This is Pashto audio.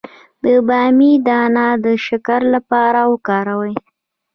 د بامیې دانه د شکر لپاره وکاروئ